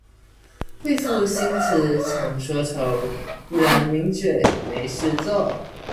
為賦新辭強說愁，不然名嘴沒事做